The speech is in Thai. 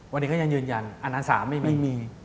วันนี้ก็ยังยืนยันอันนั้น๓ไม่มี